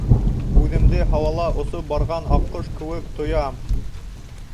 Үҙемде һауала осоп барған аҡҡош кеүек тоям!